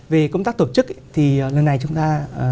về công tác tổ chức thì lần này chúng ta